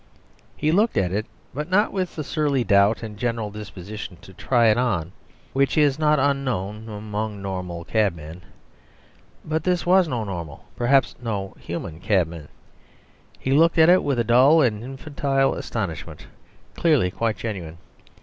He looked at it, but not with the surly doubt and general disposition to try it on which is not unknown among normal cabmen. But this was no normal, perhaps, no human, cabman. He looked at it with a dull and infantile astonishment, clearly quite genuine.